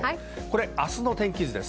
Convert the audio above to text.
明日の天気図です。